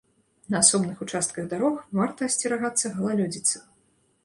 На асобных участках дарог варта асцерагацца галалёдзіцы.